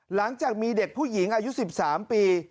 หลังจากมีเด็กผู้หญิงอายุ๑๓ปี